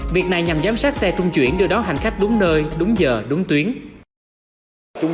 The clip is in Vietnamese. việc này nhằm giám sát xe trung chuyển đưa đón hành khách đúng nơi đúng giờ đúng tuyến